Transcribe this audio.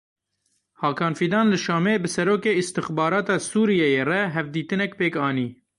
Hakan Fîdan li Şamê bi serokê îstixbarata Sûriyeyê re hevdîtinek pêk anî.